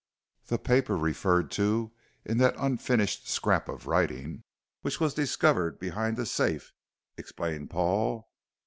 "The paper referred to in that unfinished scrap of writing which was discovered behind the safe," explained Paul.